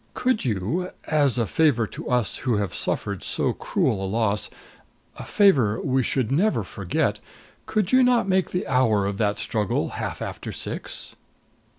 Could you, as a favor to us who have suffered so cruel a loss a favor we should never forget could you not make the hour of that struggle half after six?"